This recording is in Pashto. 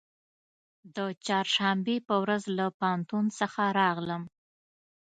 د چهارشنبې په ورځ له پوهنتون څخه راغلم.